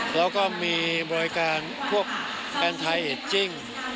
แล้วก็มีบริการพวกแฟนไทยเอจจิ้ง